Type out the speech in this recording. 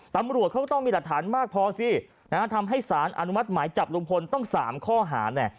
ตำรวจเขาก็ต้องมีหลักฐานมากพอสินะฮะทำให้สารอนุมัติหมายจับลุงพลต้อง๓ข้อหาเนี่ย